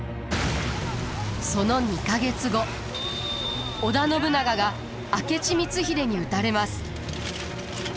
その２か月後織田信長が明智光秀に討たれます。